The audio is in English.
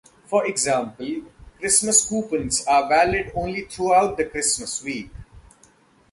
For example, Christmas coupons are valid only throughout the Christmas week.